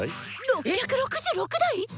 ６６６台⁉え！